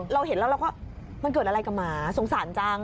เราเห็นแล้วเราก็มันเกิดอะไรกับหมาสงสารจัง